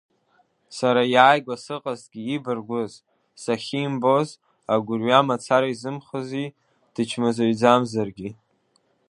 Сара иааигәа сыҟазҭгьы ибаргәыз, сахьимбоз агәырҩа мацара изымхози, дычмазаҩӡамзаргьы.